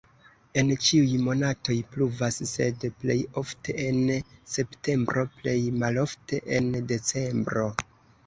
En ĉiuj monatoj pluvas, sed plej ofte en septembro, plej malofte en decembro.